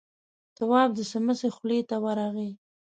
تواب د سمڅې خولې ته ورغی.